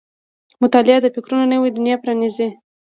• مطالعه د فکرونو نوې دنیا پرانیزي.